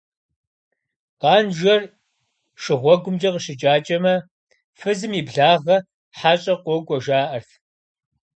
Къанжэр шыгъуэгумкӀэ къыщыкӀакӀэмэ, фызым и благъэ хьэщӀэ къокӀуэ, жаӀэрт.